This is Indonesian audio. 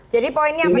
jadi poinnya apa nih